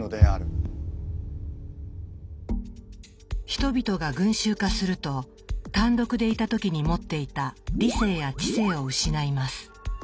人々が群衆化すると単独でいた時に持っていた理性や知性を失います。